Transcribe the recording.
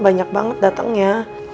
banyak banget dateng ya